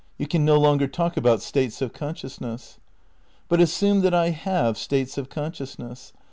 You can no longer talk about states of consciousness. But assume that I have states of consciousness.